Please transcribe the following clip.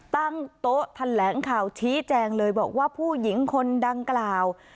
ตั้งโต๊ะแถลงข่าวชี้แจงเลยบอกว่าผู้หญิงคนดังกล่าว